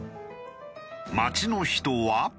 街の人は。